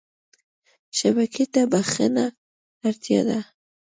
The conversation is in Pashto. شبکې ته بښنه اړتیا ده.